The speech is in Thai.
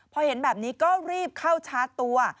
พอเห็นแบบนี้ก็รีบเข้าชาร์จตัว